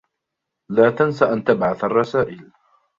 لا تنس أن تبعث الرّسائل.